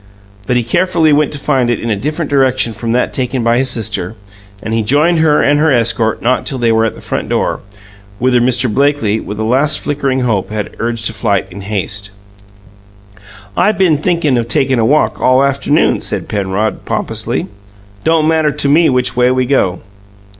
But he carefully went to find it in a direction different from that taken by his sister, and he joined her and her escort not till they were at the front door, whither Mr. Blakely with a last flickering of hope had urged a flight in haste. "I been thinkin' of takin' a walk, all afternoon," said Penrod pompously. "Don't matter to me which way we go."